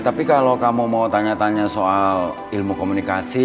tapi kalau kamu mau tanya tanya soal ilmu komunikasi